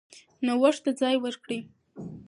نوښت ته ځای ورکړئ.